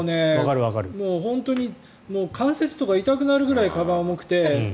もう本当に関節とか痛くなるぐらいかばんが重くて。